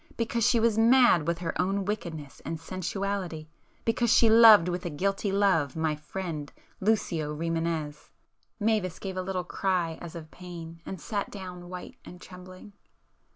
Because she was mad with her own wickedness [p 430] and sensuality,—because she loved with a guilty love, my friend Lucio Rimânez." Mavis gave a little cry as of pain, and sat down white and trembling.